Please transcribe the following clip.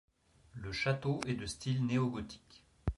Le château est de style néo-gothique.